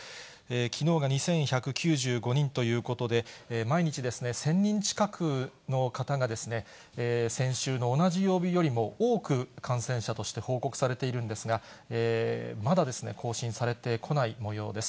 きのうが２１９５人ということで、毎日ですね、１０００人近くの方が、先週の同じ曜日よりも多く感染者として報告されているんですが、まだ更新されてこないもようです。